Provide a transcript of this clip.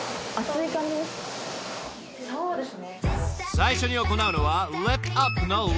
［最初に行うのは］